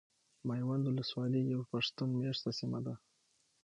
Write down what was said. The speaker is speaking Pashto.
ميوند ولسوالي يو پښتون ميشته سيمه ده .